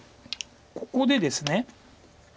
ここでですね。